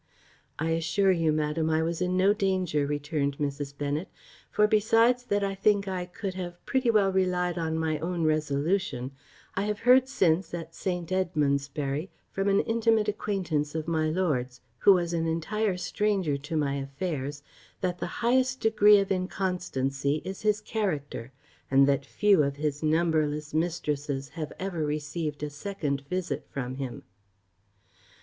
"I assure you, madam, I was in no danger," returned Mrs. Bennet; "for, besides that I think I could have pretty well relied on my own resolution, I have heard since, at St Edmundsbury, from an intimate acquaintance of my lord's, who was an entire stranger to my affairs, that the highest degree of inconstancy is his character; and that few of his numberless mistresses have ever received a second visit from him.